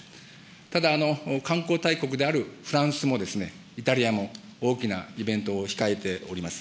ただ、観光大国であるフランスもイタリアも大きなイベントを控えております。